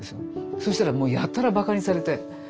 そしたらもうやたらバカにされて。